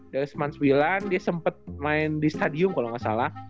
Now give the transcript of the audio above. dari sembilan bulan dia sempet main di stadium kalo gak salah